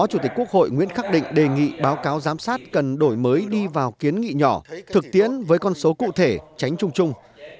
chủ tịch quốc hội nguyễn khắc định đề nghị báo cáo giám sát cần đổi mới đi vào kiến nghị nhỏ thực tiễn với con số cụ thể tránh chung chung